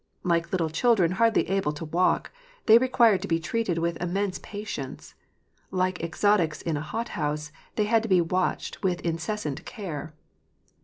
Like little children, hardly able to walk, they required to be treated with immense patience. Like exotics in a hothouse, they had to be watched with incessant care.